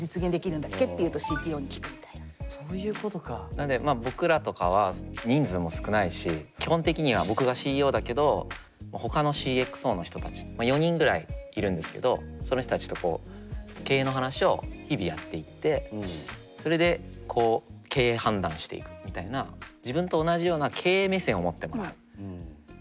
なんでまあ僕らとかは人数も少ないし基本的には僕がＣＥＯだけどほかのＣｘＯの人たち４人ぐらいいるんですけどその人たちとこう経営の話を日々やっていってそれでこう経営判断していくみたいなへえ。